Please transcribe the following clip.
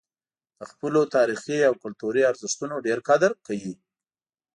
د خپلو تاریخي او کلتوري ارزښتونو ډېر قدر کوي.